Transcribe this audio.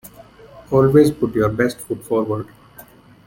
Always put your best foot forward.